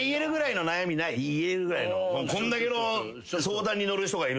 こんだけの相談に乗る人がいるんだから。